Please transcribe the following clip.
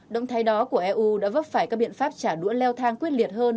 động thái đó của eu đã vấp phải các biện pháp trả đũa leo thang quyết liệt hơn